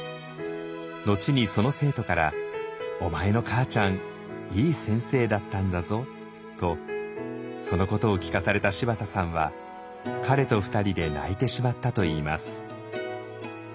後にその生徒から「お前の母ちゃんいい先生だったんだぞ」とそのことを聞かされた柴田さんは彼と２人で泣いてしまったといいます。